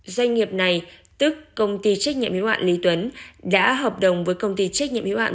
doanh nghiệp này tức công ty trách nhiệm hiếu hạn lý tuấn đã hợp đồng với công ty trách nhiệm hiệu hạn